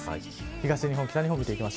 東日本、北日本です。